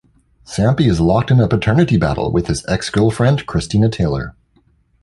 Sampi is locked in a paternity battle with his ex-girlfriend Christina Taylor.